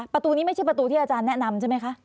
ประตูนี้ไม่ใช่ประตูที่อาจารย์แนะนำใช่ไหมคะ